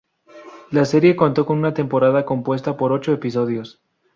La serie contó con una temporada compuesta por ocho episodios.